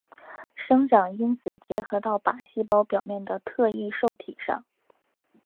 生长因子结合到靶细胞表面的特异受体上。